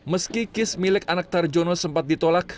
meski kis milik anak tarjono sempat ditolak